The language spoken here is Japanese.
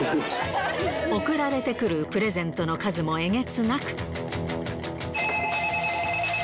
贈られてくるプレゼントの数もえげつなく。